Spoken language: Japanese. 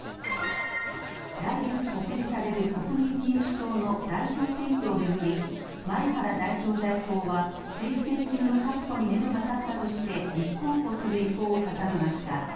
来月告示される国民民主党の代表選挙を巡り、前原代表代行は、推薦人の確保にメドが立ったとして、立候補する意向を固めました。